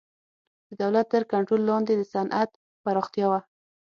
د دولت تر کنټرول لاندې د صنعت پراختیا وه